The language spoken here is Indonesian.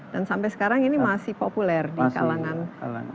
dan sampai sekarang ini masih populer di kalangan masyarakat